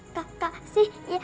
kakak sih ya apa